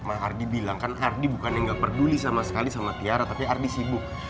mahardi bilang kan ardi bukannya nggak peduli sama sekali sama tiara tapi ardi sibuk